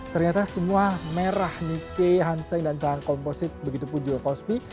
ternyata semua merah nike hanseng dan saham komposit begitu pun juga kospi